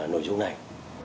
nội dung này